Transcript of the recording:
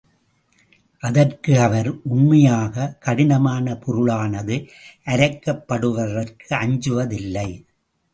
அதற்கு அவர், உண்மையாக, கடினமான பொருளானது அரைக்கப்படுவதற்கு அஞ்சுவதில்லை.